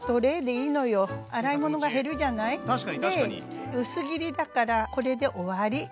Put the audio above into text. で薄切りだからこれで終わり。